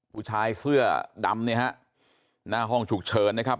ผู้ชายเสื้อดำเนี่ยฮะหน้าห้องฉุกเฉินนะครับ